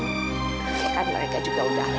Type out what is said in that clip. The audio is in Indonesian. kan mereka juga udah ada dengan awal kamu kan selama ini